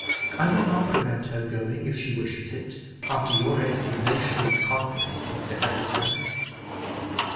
"I will not prevent her going, if she wishes it, after your explanation and confidence, Mr. Heatherstone."